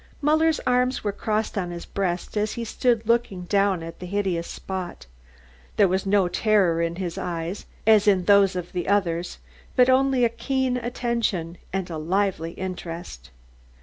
Muller's arms were crossed on his breast as he stood looking down at the hideous spot. There was no terror in his eyes, as in those of the others, but only a keen attention and a lively interest.